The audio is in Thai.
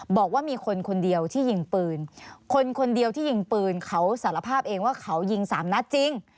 บอกว่ามีคนคนเดียวที่ยิงปืนคนคนเดียวที่ยิงปืนเขาสารภาพเองว่าเขายิงสามนัดจริง